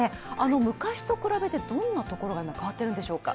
昔と比べてどんなところが変わっているんでしょうか？